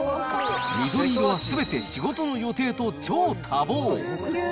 緑色はすべて仕事の予定と、超多忙。